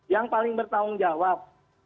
yang paling bertanggung jawab